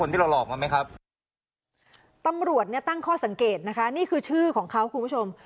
ตำรวจตั้งข้อสังเกตนะคะนี่คือชื่อของเขาคุณผู้ชม